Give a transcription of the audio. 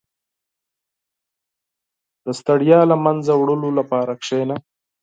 • د ستړیا له منځه وړلو لپاره کښېنه.